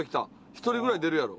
１人ぐらい出るやろ。